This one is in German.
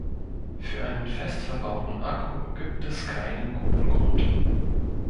Für einen fest verbauten Akku gibt es keinen guten Grund.